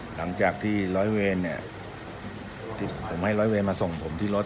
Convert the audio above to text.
หลังจากที่ร้อยเวรเนี่ยผมให้ร้อยเวรมาส่งผมที่รถ